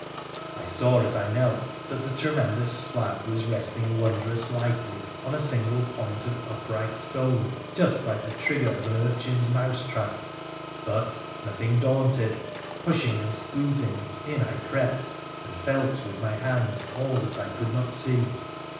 I saw as I knelt that that tremendous slab was resting wondrous lightly on a single point of upright stone set just like the trigger of an urchin's mouse trap, but, nothing daunted, pushing and squeezing, in I crept, and felt with my hands all that I could not see.